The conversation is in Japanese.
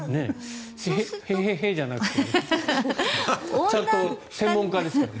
ヘヘヘじゃなくてちゃんと専門家ですね。